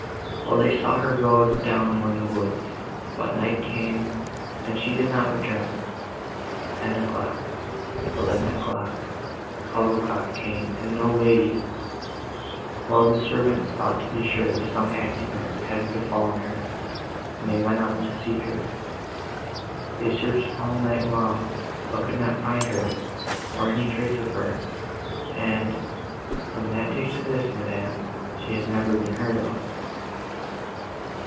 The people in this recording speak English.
"Well, they saw her go down among the woods, but night came, and she did not return: ten o'clock, eleven o'clock, twelve o'clock came, and no lady! Well, the servants thought to be sure, some accident had befallen her, and they went out to seek her. They searched all night long, but could not find her, or any trace of her; and, from that day to this, ma'amselle, she has never been heard of."